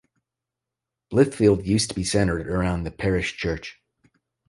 Blithfield used to be centered around the Parish Church.